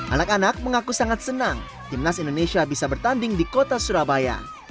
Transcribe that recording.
anak anak mengaku sangat senang timnas indonesia bisa bertanding di kota surabaya